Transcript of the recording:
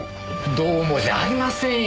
どうもじゃありませんよ！